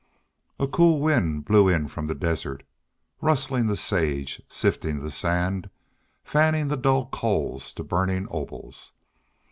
A cool wind blew in from the desert, rustling the sage, sifting the sand, fanning the dull coals to burning opals.